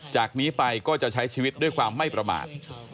จากนี้ไปก็จะใช้ชีวิตด้วยความไม่ประมาท